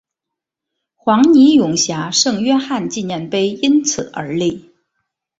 黄泥涌峡圣约翰纪念碑因此而立。